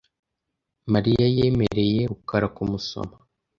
Mariya yemereye rukara kumusoma .